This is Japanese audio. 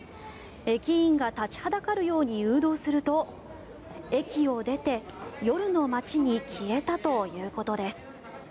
駅員が立ちはだかるように誘導すると駅を出て、夜の街に消えたということです。